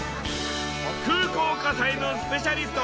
空港火災のスペシャリスト。